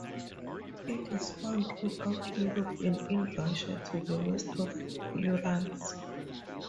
It is found throughout Europe and in Russia to the west of the Urals.